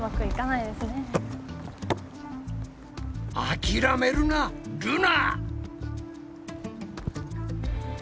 諦めるなルナ！